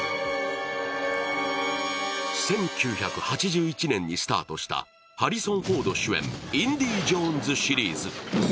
１９８１年にスタートしたハリソン・フォード主演「インディ・ジョーンズ」シリーズ。